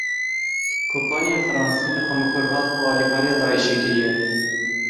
Kompaniya Fransî li xwe mikur hat ku alîkariya Daişê kiriye.